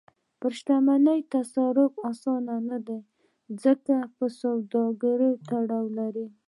پر شتمنۍ تصرف اسانه نه دی، ځکه په سوداګریو تړلې ده.